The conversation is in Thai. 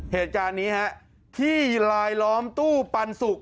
เหตุการณ์นี้ฮะที่ลายล้อมตู้ปันสุก